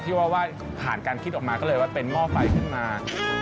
ว่าผ่านการคิดออกมาก็เลยว่าเป็นหม้อไฟขึ้นมา